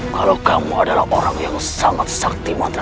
kalau kamu adalah orang yang sangat sakti matang guna